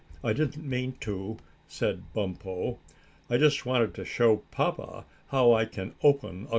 I didn't mean to," said Bumpo. "I just wanted to show papa how I can open a cocoanut."